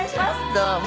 どうも。